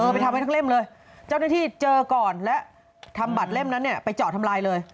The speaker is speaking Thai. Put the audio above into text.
ไปทำไว้ทั้งเล่มเลยเจ้าหน้าที่เจอก่อนและทำบัตรเล่มนั้นเนี่ยไปเจาะทำลายเลย